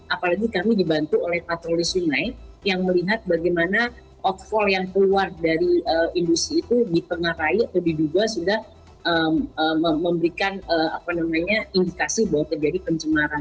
apalagi kami dibantu oleh patroli sungai yang melihat bagaimana outfall yang keluar dari industri itu ditengarai atau diduga sudah memberikan indikasi bahwa terjadi pencemaran